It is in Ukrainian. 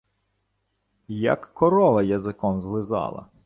Як корова язиком злизала.